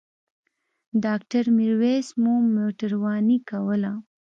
ډاکټر میرویس مو موټرواني کوله.